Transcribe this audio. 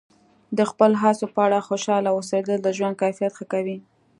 د خپلو هڅو په اړه خوشحاله اوسیدل د ژوند کیفیت ښه کوي.